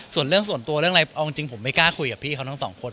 ส่วนเรื่องส่วนตัวเรื่องอะไรเอาจริงผมไม่กล้าคุยกับพี่เขาทั้งสองคน